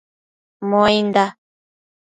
Muainda